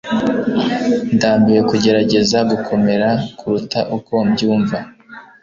ndambiwe kugerageza gukomera kuruta uko mbyumva